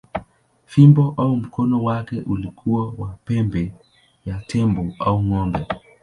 Fimbo au mkono wake ulikuwa wa pembe ya tembo au ng’ombe.